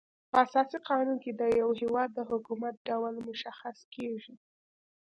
په اساسي قانون کي د یو هيواد د حکومت ډول مشخص کيږي.